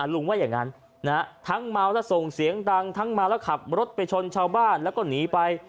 ว่าอย่างนั้นทั้งเมาและส่งเสียงดังทั้งเมาแล้วขับรถไปชนชาวบ้านแล้วก็หนีไป